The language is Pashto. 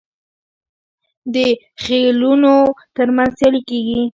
د خیلونو ترمنځ سیالي کیږي.